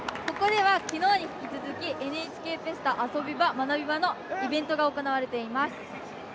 ここではきのうに引き続き「ＮＨＫフェスタあそビバ！まなビバ！」のイベントが行われています。